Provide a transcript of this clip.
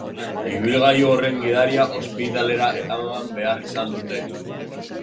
Ibilgailu horren gidaria ospitalera eraman behar izan dute.